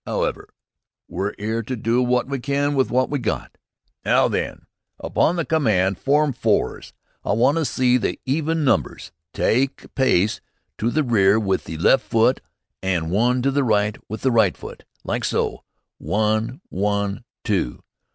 'Owever, we're 'ere to do wot we can with wot we got. Now, then, upon the command, 'Form Fours,' I wanna see the even numbers tyke a pace to the rear with the left foot, an' one to the right with the right foot. Like so: 'One one two!'